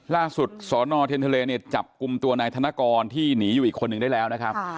สนเทนทะเลเนี่ยจับกลุ่มตัวนายธนกรที่หนีอยู่อีกคนหนึ่งได้แล้วนะครับ